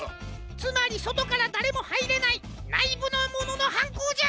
つまりそとからだれもはいれないないぶのもののはんこうじゃ！